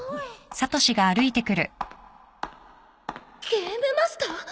ゲームマスター！？